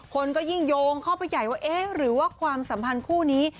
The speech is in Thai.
คนก็ยิ่งโยงเข้าไปใหญ่ว่าเอ๊ะหรือว่าความสัมพันธ์คู่นี้